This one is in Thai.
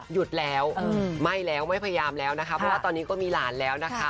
หยุดแล้วไม่แล้วไม่พยายามแล้วนะคะเพราะว่าตอนนี้ก็มีหลานแล้วนะคะ